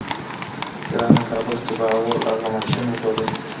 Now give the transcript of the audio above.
ګرانه کابل کې به اول اغه ماشين وګورې.